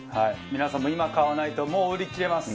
皆さんも今買わないともう売り切れます。